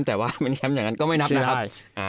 แต่ว่ามันแคมป์อย่างนั้นก็ไม่นับนะครับ